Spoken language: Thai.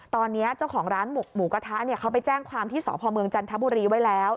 ตอนนี้เจ้าของร้านหมูกระทะเขาไปแจ้งความที่สพเมืองจันทบุรีไว้แล้ว